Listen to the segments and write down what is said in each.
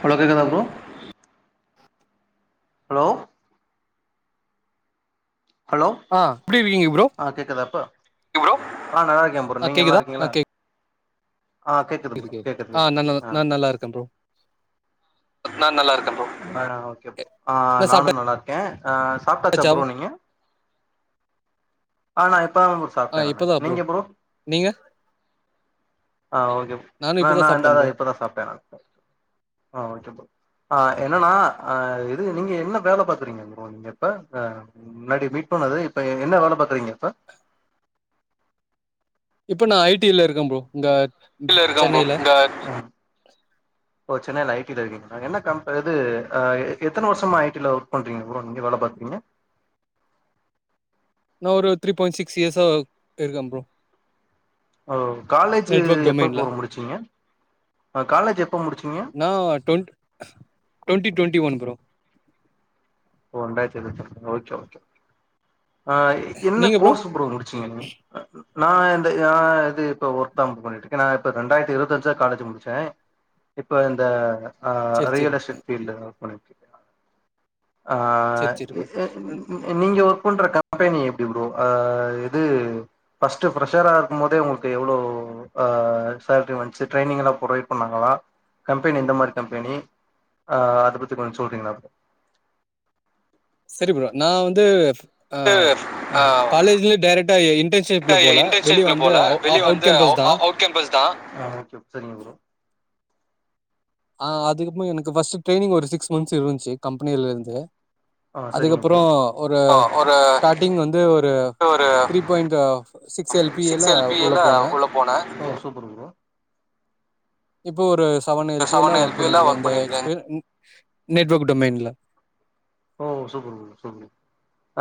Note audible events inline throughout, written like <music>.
Hello கேக்குதா bro hello ah good evening bro <unintelligible> ஆ நல்லா இருக்கே ப்ரோ நீங்க நல்லா இருக்கீங்களா? ஆ கேக்குது ப்ரோ கேக்குது கேக்குது அ நா நல்லா இருக்கே ப்ரோ <unintelligible> அ அ நானு நல்லா இருக்கே. <unintelligible> ஆ சாப்டாச்சா ப்ரோ நீங்க ஆனா எப் இப்போதா ப்ரோ <inaudible> சாப்ட்ட நானானு. நீங்க ப்ரோ ஆஹ ஓகே ந நா இந்தந்த இப்பதா சாப்ட நா ஆ ஓகே ப்ரோ ஆஹ் என்னன்னா அஹ் இது நீங்க என்ன வேல பாக்குறீங்க ப்ரோ நீங்க இப்ப ஆஹ் முன்னாடி மீட் பண்ணது இப்ப என்ன வேல பாக்குறீங்க இப்ப. இப்ப நா ஐ டி ல இருக்க ப்ரோ இந்த <unintelligible> இருக்க ப்ரோ இந்த ஓ சென்னையில ஐ டி ல இருக்கீங்கள என்ன கம்ப் இது அஹ எத்தன வர்ஷமா ஐ டி ல ஒர்க் பண்றீங்க ப்ரோ நீங்க வேல பாக்கறீங்க நா ஒரு த்ரீ பாயிண்ட் சிக்ஸ் இயர்ஸ் இருக்க ப்ரோ ஓ காலேஜ் எப்ப ப்ரோ முடிச்சுங்க ஆ காலேஜ் எப்ப முடிச்சுங்க ஓ ரெண்டாய்ரத் இருவத் ஒன்ன ஓகே ஓகே ஆஹ் என்ன கோர்ஸ் ப்ரோ முடிச்சீங்க நீங் நா இந்த நா அ அது இப்ப ஒர்க்தா ப்ரோ பண்ணிட்டு இருக்க நா இப்ப ரெண்டாயிரத்தி இருபத்தஞ்சுா காலேஜ்ஜீ முடிச்ச இப்ப இந்த ஆ ரியல் எஸ்டேட் ஃபீல்டுதா ஒர்க் பண்ணிட்டு இருக். ஆஹ் <unintelligible> நீங்க ஒர்க் பண்ற கம் கம்பெனி எப்டி ப்ரோ ஆஹா இது ஃபர்ஸ்ட் ஃப்ரெஷரா இருக்கும் போதே உங்களுக்கு எவ்வளோ அ சலரி வந்துச்சு டிரெயினிங்லா ப்ரொவைட் பண்ணாங்களா கம்பெனி எந்த மாரி கம்பெனி ஆஹ் அத பத்தி கொஞ்ச சொல்றீங்களா சரி ப்ரோ நா வந்து ஆஹ் காலேஜ்ல டைரக்ட இன்டர்ன்ஷிப் ட இன்டன் ஷிப்ல போல வெளிய வந்து அவு அவு அவுட் கேம்பஸ் தா அ அதுக்கப்புமா எனக்கு ஃபஸ்ட் ட்ரைனிங் ஒரு சிக்ஸ் மந்த்ஸ் இருந்த்ச்சி கம்பனில இருந்து அதுக்கப்புறோ ஒரு ஸ்டார்டிங் வந்து ஒரு three point of six L P ஏல உள்ள போனே இப்போ ஒரு சவன் து எல்லா ஒர்க் பண்ணிருக்கே இந்த எக்ஸ்பயர் நெட்வர்க் டொமைன்ல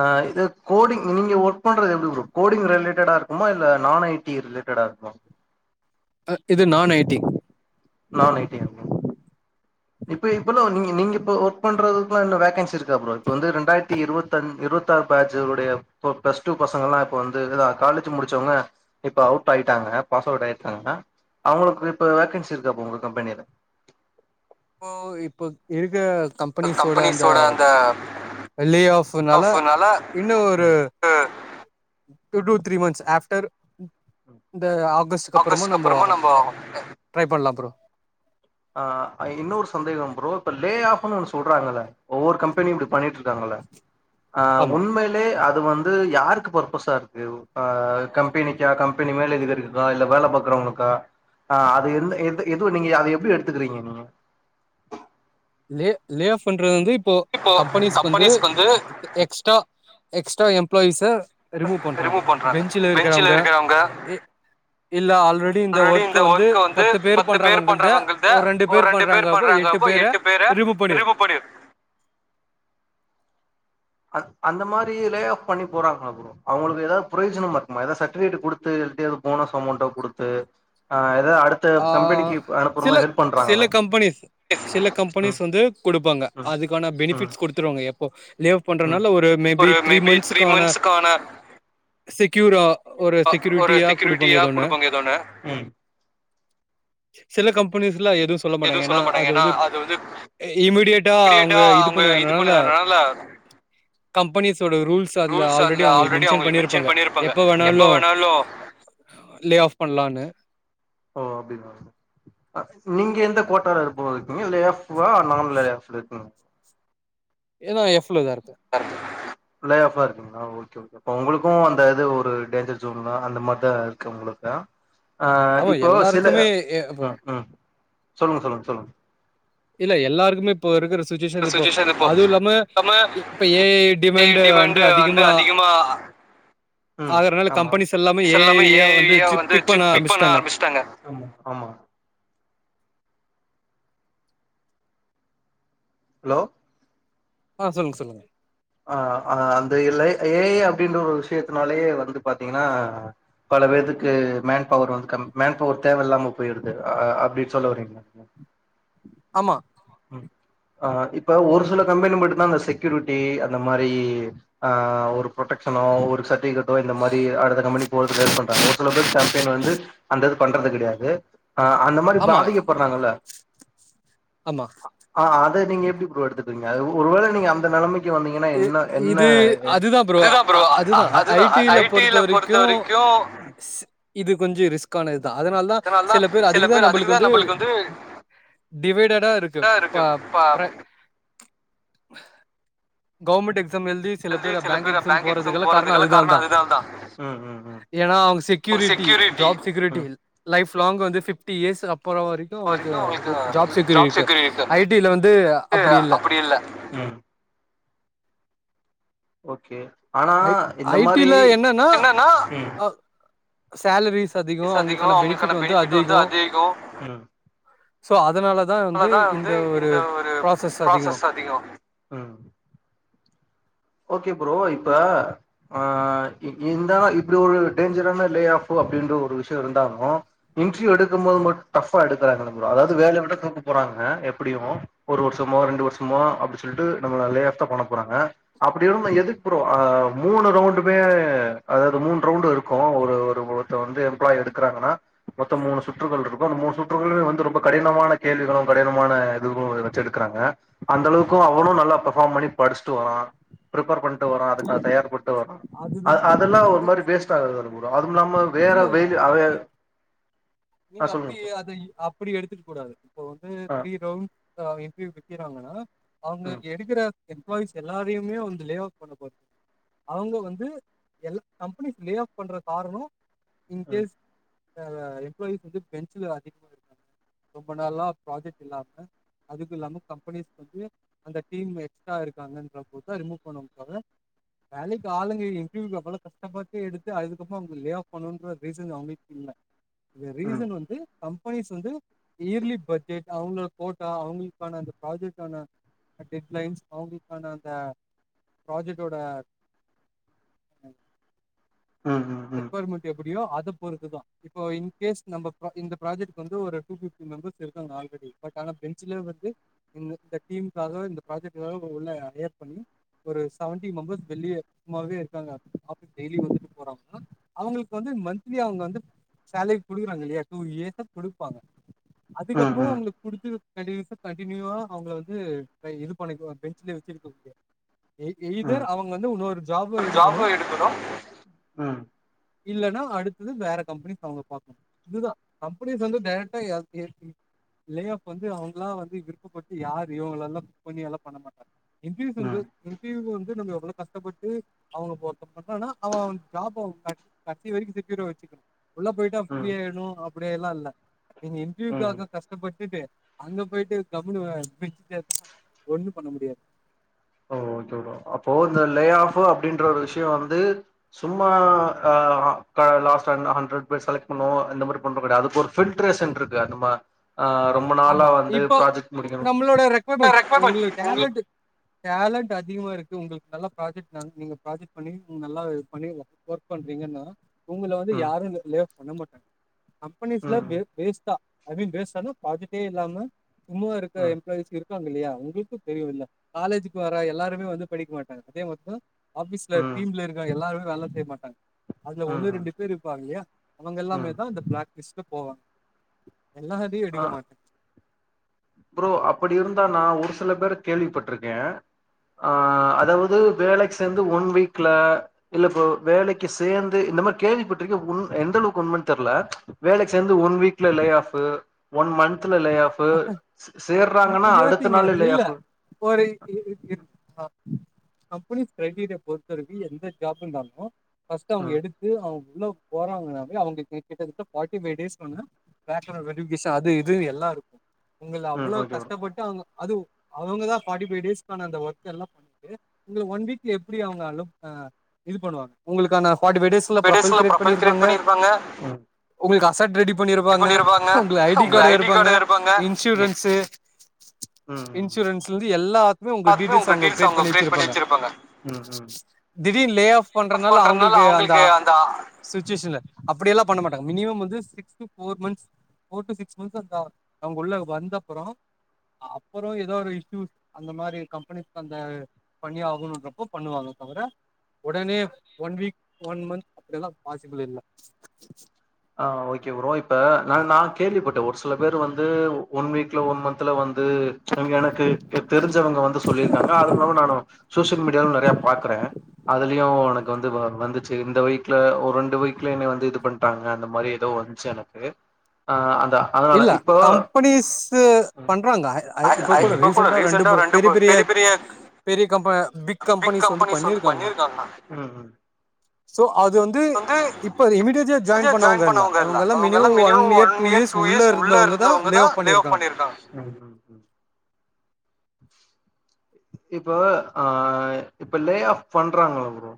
ஆ இது கோடிங் நீங்க ஒர்க் பண்றது எப்டி ப்ரோ கோடிங் ரிலேட்டடா இருக்குமா இல்ல நான் ஐ டி ரிலேட்டடா இருக்குமா இது நான் ஐ டி நான் ஐ டி ப்ரோ நீங்க இப்ப ஒர்க் பண்றதுக்குலா இன்னோ வேக்கன்சி இருக்கா ப்ரோ இப்ப வந்து ரண்டாயிரத்தி இருவத்தஞ் இருவத்தாறு பேட்ச் உடைய இப்ப ப்ளஸ்டு பசங்களா இப்ப வந்து இததா காலேஜ் முடிச்சவங்க இப்ப அவுட் ஆய்ட்டாங்க பாஸ் அவுட் ஆய்ருக்காங்க அவங்களுக்கு இப்ப வாக்கன்சி இருக்கா ப்ரோ உங்க கம்பெனில இப்போ இப்போ இருக்க கம்பெனிஸோட அந்த லே ஆஃப்னால இன்னு ஒரு two two three months after இந்த ஆகஸ்ட் அப்புறமா நம்ம ட்ரை பண்லா ப்ரோ ஆ ஆ இன்னொரு சந்தேகம் ப்ரோ இப்ப லே ஆஃப்னு ஒண்ணு சொல்றாங்க ஒவ்வொரு கம்பெனியு இப்டி பண்ணிட்டு இருக்காங்கள ஆ உண்மையிலே அ வந்து யாருக்கு பர்ப்பசா இருக்கு ஆ கம்பெனிக்கா கம்பெனி மேல <unintelligible> இல்ல வேல பாக்றவங்களுக்கா ஆ அது எந்த எது எது நீங்க அத எப்டி எடுத் துக்கிறீங்க நீங்க லே லே ஆஃப் பண்றது வந்து இப்போ கம்பெனிஸ்க்கு வந்து எக்ஸ்ட்ரா எக்ஸ்ட்ரா எம் ப்ரைச ரிமூவ் பண்றாங்க பெஞ்ச்ல இருக்குறவங்க இல்ல ஆல் ரெடி இந்த ஒர்க்க வந்து பத்து பேர் பண்றவங்கள்த ஒரு ரெண்டு பேர் பண்றாங்க அப்ப எட்டு பேர பேர ரிமுவ் பண்ணிர் அந்த மாரி லே ஆப் பண்ணி போறாங்க ப்ரோ அவங்களுக்கு ஏதாவது ப்ரோயோஜனமா இருக்குமா? ஏதா சர்டிபிகேட் குடுத்து இல்லாட்டி எதும் போனஸ் அமௌண்ட்டா குடுத்து ஆ ஆ சில சில கம்பெனிஸ் சில கம்பெனிஸ் வந்து குடுப் ப்பாங்க அதுக்கான பெனிபிட்ஸ் குடுத்துருவாங்க எப்போ லே அவுட் பண்றனால ஒரு மே பி த்ரீ மந்த்ஸ்கான செக்யூரா அ ஒரு செக்யூரிட்டியா குடுப்போங்க ஏதோ ஒண்ணு சில கம்பெனிஸ்ல எதுவு சொல்ல மாட்டாங்க ஏன்னா அது வந்து இமிடியட்டா அவங்க இது பண்ணுனதுனால கம்பெனிஸ்சோட ரூல்ஸ் அதுல ஆல்ரெடி அவங்களுக்கு மென்ஷன் பண்ணிருப்பாங்க எப்ப ணாலு லே ஆஃப் பண்லானு ஓ அப்டிதா நீங்க எந்த கோட்டால இரு போ இருக்கிங்க இல்ல எஃப் <unintelligible> ஏனா எப் குள்ள தா இருக்கு. <unintelligible> இருக்குங்களா ஓகே ஓகே அப்ப உங்களுக்கும் அந்த இது ஒரு டேஞ்சர் ஜோன் தா அந்த மாரி தா இருக்கு உங்களுக்கு ஆ ஆஹ இப்போ சில உம் உம். சொல்லுங்க சொல்லுங்க சொல்லுங்க இல்ல எல்லாருக்குமே இப்ப இருக்கிற சுச்சேஷன் இப்போ நம்ம ஏஐ டிமாண்ட் வந்து அதிகமா ம் ஆமா கம்பனிஸ் எல்லாமே ஏஐ ஆ வந்து சிப் பிக் பண்ண ஆரம்ச்சட்டாங்க ஆமா ஆமா. ஹலோ ஆஹ் சொல்லுங்க சொல்லுங்க ஆஹ் அஹ் அந்த இல் ஏஐ அப்டின்ற ஒரு விஷயத்தினாலேயே வந்து பாத்தீங்கன்னா பல பேத்துக்கு மேன் பவர் வந்து கம் மேன்பவர் வந்து தேவையில்லாம போயிடுது. அஹ் அப்டினு சொல்ல வறீங்க? ஆமா ஆ இப்ப ஒரு சில கம்பனி மட்டும் தா அந்த செக்யூரிட்டி அந்த மாரி ஆஹ ஒரு ப்ரெக்ஷனோ ஒரு சர்டிபிகேட்டோ இந்த மாரி அடுத்த கம்பனி போறதுக்கு ஹெல்ப் பண்றாங்க. ஒரு சில பேர் கம்பனி வந்து அந்த இது பண்றது கடையாது. ஆஹ் அந்த மாரி பாதிக்கப்படுறாங்கல்ல ஆமா அத நீங்க எப்படி ப்ரோ எடுத்துக்ரீங்க? ஒருவேள நீங்க அந்த நெலமைக்கு இ இது அதுதா ப்ரோ அ அதுதான் ஐ டில பொறுத்த வரைக்கும் ஸ் இது கொஞ்சம் ரிஸ்க். கானது அதா அதனால தான் சில பேர் அதுக்கு தா நம்மளுக்கு வந்து டிவைடடா இருக்கு இப் ப்ர கவர்மெண்ட் எக்ஸ் எக்சாம் எழுதி சில பேர் பேங்க் எக்ஸாம் போறதுகல்லா காரணம் அதனால தான். ஏன்னா அவங்க security job security life long வந்து பிப்டி இயர்ஸ் ஆப் போற வரைக்கும் அவங்களுக்கு ஜாப் செக்யூரிடி இருக்கு. ஐ டில வந்து அப்டி இல்ல. ஓகே ஆனா இந்த மாரி என்னன்னா ம் சேலறிஸ் பீஸ் அதிகம் அவங்களுக்கான பெனிஃபிட் வந்து அதிகம் ம் சோ அது அதால தா வந்து இந்த ஒரு ப்ராசஸ் அதிகம் ம். ஓகே ப்ரோ இப்ப ஆஹ் இந்த இப்டி ஒரு டேஞ்சரான லே ஆஃப் அப்டின்ற ஒரு விஷயம் இருந்தாலும் இன்ட்ர்வியூ எடுக்கும் போது மட்டும் டஃப்பா எடுக்கறாங்க ப்ரோ. அதாவது வேல விட்டு தூக்க போறாங்க எப்டியும் ஒரு வருஷமோ ரெண்டு வருஷமோ அப்டி சொல்ட்டு நம்மல லே ஆப் தா பண்ண போறாங்க அப்டின்ன எதுக்கு ப்ரோ மூணு ரவுண்டுமே அதாவது மூணு ரவுண்டு இருக்கு. ஒரு ஒருத்த வந்து எம்ப்ளாய் எடுக்கிறாங்கன்னா மொத்தம் மூணு சுற்றுகள் இருக்கும் அந்த மூணு சுற்றுகளளுமே வந்து ரொம்ப கடினமான கேள்விகளும் கடினமான இதுகளும் வச்சு எடுக்கிறாங்க. அந்த அளவுக்கு அவனும் நல்லா பர்ஃபார்ம் பண்ணி படிச்சுட்டு வரான். பிரிபர் பண்ட்டு வரா அதுக்கு தயார்ப வரான் அது அதெல்லாம் ஒரு மாரி வேஸ்ட் ஆகது ப்ரோ. அதுவும் இல்லாம வேற வெய அவ நீங்க அப்டி அத அப்டி எடுத்துக கூடாது. இப்ப வந்து த்ரீ ரவுண்ட் இன்டர்வியு <inaudible> அவங்களுக்கு எடுக்கிற எம்ப்ளாயிஸ் எல்லாரையுமே வந்து லே ஆஃப் பண்ண போறது. அவங்க வந்து எல்லா கம்பெனிஸ் லே ஆஃப் பண்ற காரணம் இன் கேஸ் <unintelligible> எம்ப்ளாயிஸ் வந்து பெஞ்சுல அதிகமா இருக்காங்க. ரொம்ப நாளா ப்ராஜெக்ட் இல்லாமல அதுக்கு இல்லாமல கம்பெனிஸ்க வந்து அந்த டீம் எக்ஸ்ட்ரா இருக்காங்கன்ற போத ரிமூவ் பண்ணவாங்க. தவர வேலைக்கு ஆளுங்க இன்ட்ர்வியூக்கு அவ்வளவு கஷ்டப்பட்டு எடுத்து அதுக்கப்புற அவங்க லே ஆஃப் பண்ணுன்ற ரீசன் அவங்க இல்லை. தே ரீசன் வந்து கம்பெனிஸ் வந்து இயர்லி பட்ஜெட் அவங்களோட கோட்டா அவங்களுக்கான அந்த ப்ராஜெக்டான டெட்லைன்ஸ் அவங்களுக்கான அந்த ப்ராஜெக்டோட ரெக்ருவமெண்ட் எப் அப்படியோ அதை பொருத்து தான் இப்போ இன்கேஸ் நம்ம இந்த ப்ராஜெக்ட் வந்து ஒரு டூ ஃபிஃப்டி மெம்பர்ஸ் இருக்காங்க ஆல்ரெடி பட் ஆனால் பெஞ்சில் வந்து இந்த இந்த டீம்முகாக இந்த ப்ராஜட்காக உள்ள அயர் பண்ணி ஒரு செவன்டி மெம்பர்ஸ் வெளியே சும்மாவே இருக்காங்க. ஆஃபீஸ் டெய்லி வந்துட்டு போறாங்க. அவங்களுக்கு வந்து மந்த்லி அவங்க வந்து சேலரி குடுக்குறாங்க இல்லையா டுஇயர்ஸா குடுப்பாங்க. அதுக்குஅப்மு உங்களுக்கு குடுத்து கண்டினியூஷா கண்டினியூவா அவங்கள வந்து இது பண்ணி பெஞ்சுலயே வச்சுருக்க முடியா எய்தர் அவங்க வந்து இன்னொரு ஜாப் எடுக்கணும். இல்லைன்னா அடுத்தது வேற கம்பெனிஸ் அவங்க பாக்கணும். இதுதான் கம்பெனிஸ் வந்து டைரெக்டா லேஆஃப் வந்து அவங்களா வந்து விருப்பட்டு யாரு இவங்க எல்லாம் புக் பண்ணி எல்லாம் பண்ண மாட்டாங்க. இங்கிரிஸ் வந்து இன்டிரீவியூ வந்து நம்யோ எவ்ளோ கஷ்டப்பட்டு அவங்க ஒருத்த பண்ணாண அவன் ஜாப கட கடைசி வரைக்கு செக்யூரா வச்சுக்கனு. உள்ள போயிட்டா ஃப்ரீயாடும். அப்படியேலல்லா இல்ல நீ இன்டர்வியூகாக கஷ்டப்பட்டுட்டு அங்க போயிட்டு கம்முனு <unintelligible> ஒண்ணும் பண்ண முடியாது. ஓ தொடும் அப்போ இந்த லே‌ஆப் அப்படின்ற ஒரு விஷயம் வந்து சும்மா ஹ் லாஸ் அன்டு ஹண்டட் பேர் செலக்ட் பண்ணவோம் இந்த மாதிரி பண்ற கிடையாதுக்கு ஒரு பில்ரேஷன் இருக்கு அந்த ஆஹ் ரொம்ப நாளா வந்து ப்ராஜெக்ட் முடிக்கணும். <unintelligible> டேலண்ட் அதிகமா இருக்கு உங்களுக்கு நல்லா ப்ராஜக்ட் நீங்க ப்ராஜெக்ட் பண்ணி நல்லா பண்ணி ஒர்க் பண்றீங்கன்னா உங்கள வந்து யாரரு <inaudible> <inaudible> கம்பெனிஸ்ல வே - வேஸ்டா அவின் பேஸ்தானு பாத்துட்டே இல்லாம சும்மா இருக்க எப்லாயிஸ் இருக்கு இருகாங்க இல்லையா உங்களுக்கும் தெரியும் இல காலேஜுக்கு வர எல்லாருமே வந்து படிக்க மாட்டாங்க. அதே மொத்தம் ஆபீஸ்ல டீம்ல இருக்கிற எல்லாருமே வேல செய்ய மாட்டாங்க. அதுல ஒண்ணு ரெண்டு பேர் இருப்பாங்க இல்லையா அவங்க எல்லாமே தா இந்த பிளாக்டிஸ் எப்டி போவ என்னது புடிக்க மாட் ப்ரோ அப்டி இருந்தா நா ஒரு சில பேர கேள்விபட்ருக்கே ஆ, அதாவது வேலைக்கு சேந்து ஒன் வீக்ல இல்ல ப்ரோ வேலைக்கு சேந்து இந்த மாரி கேள்விபட்ருக்கே ஒ எந்த அளவுக்கு உண்மனு தெர்ல வேலைக்கு சேந்து ஒன் வீக்ல லே ஆஃப் ஒன் மன் ந்துல லே ஆஃப் யுவர் திங் இல்ல ஒரு ஆ கம்பெனிஸ் க்ரெடீரியா பொறுத்த வரைக்கு எந்த ஜாப் இருந்தாலு ஃபஸ்ட் அவுங்க எடுத்து அவுங் உள்ள போறாங்கனாவே அவுங்களுக்கு கிட்டதட்ட ஃபார்டிஃபைவ் டேஸ் வந்து பேக் எண்ட் வெரிப்பிகேஷன் அது இது எல்லா ருக்கு உங்கள அவ்ளோ கஷ்டபட்டு அவுங்க அது அவுங்கதா ஃபார்ட்டி ஃபைவ் டேஸ்கான அந்த ஒர்க்கெல்லா பண்ட்டு உங்ள ஒன் வீக்ல எப்டி அவுங்க அலோ இது பண்ணுவாங்க உங்ளுகான ஃபைவ் டேஸ்ல ப்ரொபைல் கிரியேட் பண்ணிருப்பாங்க சார் ரெடிப் பண்ணிருவாங்க உங்க ஐடி கார்ட எடுப்பாங்க இன்சூரன்ஸ்ஸு இன்சூரன்ஸ்லந்து எலாத்குமே உங்க டீடேல்ஸ் அவுங்க கிரியேட் பண்ணி வெச்சிருப்பாங்க திடிர்னு லேயாஃப் பண்றனால அவுங்ளுகு அந்த அ சுட்சிவேஷன்ல அப் அப்டிலா பண்ண மாடாங்க மினிமம் வந்து six to four months four to six months அந்த அவுங்குள்ள வந்தப்றொ அப்பறோ ஏதோ ஒரு இஸ்யூஸ் அந்த மாரி கம்பெனிஸ் அந்த பண்ணியே ஆகணுன்றபோ பண்வாங்க தவர ஒடனே ஒன் வீக் ஒன் மந்த் அப்டிலா ஃபாசிபில் இல்ல ஆ ஓகே ப்ரோ இப்ப ந நா கேள்விப்பட்ட ஒரு சில பேரு வந்து ஒன் வீக்ல ஒன் மந்த்ல வந் கு எனக்கு தெரிஞ்சவங்க வந்து சொலிருக்காங்க அதுமில்லாம சோசியல் மீடியால நெறைய பாக்கற அதுலியு எனக் கு வந்து வ வந்துச்சி இந்த வீக்ல ஒ ரெண்டு வீக்ல என்னைய வந்து இது பண்டாங் அ அந்த மாரி ஏதோ வந்ச்சி எனக்கு அ இல்ல கம்பனிஸ்ஸு பண்றாங்க இப்ப கூட ரீசென்டா ரெண்டு ப பெரி பெரிய பிக் கம்பனிஸ் வந்து பண்ணிருக்காங்க சோ அது வந்து இப்ப இமிடியட்டா ஜாயின் பண்ணவங்க இல்ல அவுங்கல்லா minimum one year two years two years உள்ளருந்தவங்கதா லே ஆஃப் பண்ணிருக்காங்க ம் ம் ம் இப்ப அ இப்ப லே ஆஃப் பண்றாங்கள ப்ரோ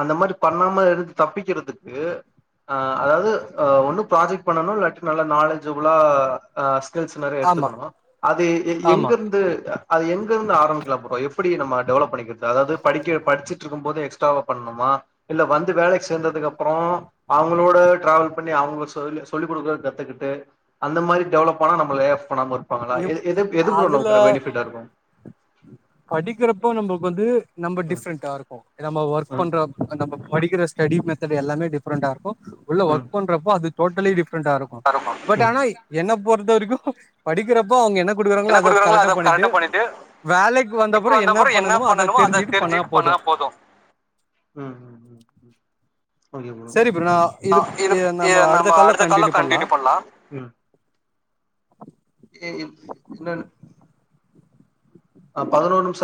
அந்த மாரி பண்ணாம இருந்து தப்பிக்கிறதுக்கு அ அதாவுது அ ஒன்னு ப்ராஜெக்ட் பண்ணனு இல்லாட்டி நல்ல நாலேஜபிளா அ ஃப்ரெண்ஸ் நெறைய எடுத்துக்கணுமா அது எங் எங்கருந்து அது எங்க இருந்து ஆரம் இல்ல புரோ எப்புடி நம்ம டெவலப் பண்ணிக்கற்த் ச அதாது படிக்க படுச்சி ட்ருக்கு போது எக்ஸ்ட்ராவா பண்ணுமா இல்ல வந்து வேலைக் சேந்ததுக் அப்பறோ அவங்களோட ட்ரேவல் பண்ணி அவுங்க சொல்லி சொல்லி குடுக்குல கத்துக்குட்டு அந்த மாரி டெவலெப் ஆனா நம்மள எஃப் பொண்ணாம இர்ப்பாங்களா எது எது எது ப்ரோ நமக்குர பெனிஃபிட்டாருக்கு படிக்கிறப்ப நம்பள்க்கு வந்து நம்ப டிஃப்ரெண்ட்டாருக்கு நம்ம ஒர்க் பண்றப் அந்த <unintelligible> படிக்கிற ஸ்டடி மெத்தேட் எல்லாமே டிஃப்ரெண்டா இருக்கு உள்ள வர்க் பண்றப்போ அது டோட்டலி டிஃப் <unintelligible> இருக்கும் பட் ஆனா என்ன போற்தவரைக்கு படிக்கிறப்ப அவங்க என்ன என்ன குடுக்குறாங்களோ அத கரெகா பண்ணிட்டு வந்தப்புறம் என்ன பண்ணனமோ அத தெரிஞ்சுட்டு பண்ணா போதும் இது நம்ம அடுத்த கால்ல கண்டின்யூ பண்ணலாம். <unintelligible> என்னன்னு? பதினோன் நிமிஷ